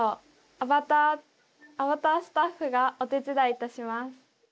アバターアバタースタッフがお手伝いいたします。